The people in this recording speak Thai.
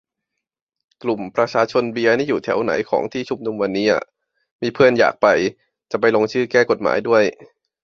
กลุ่ม ประชาชนเบียร์ นี่อยู่แถวไหนของที่ชุมนุมวันนี้อะ มีเพื่อนอยากไป จะไปลงชื่อแก้กฎหมายด้วย